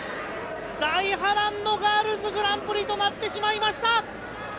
大波乱のガールズグランプリとなってしまいました。